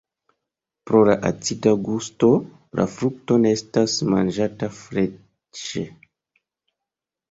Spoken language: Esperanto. Pro la acida gusto la frukto ne estas manĝata freŝe.